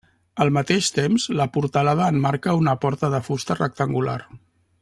Al mateix temps, la portalada emmarca una porta de fusta rectangular.